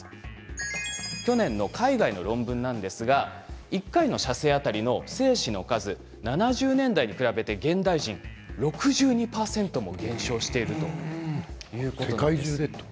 去年の海外の論文なんですが１回の射精当たりの精子の数７０年代に比べて現代人は６２％も減少しているということです。